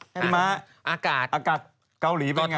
นี่มาอากาศเกาหลีเป็นยังไง